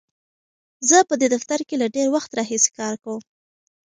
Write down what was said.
زه په دې دفتر کې له ډېر وخت راهیسې کار کوم.